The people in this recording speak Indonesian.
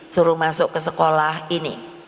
suruh masuk ke sekolah ini